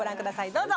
どうぞ。